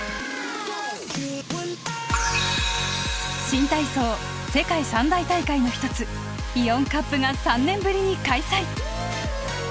新体操世界三大大会の一つイオンカップが３年ぶりに開催！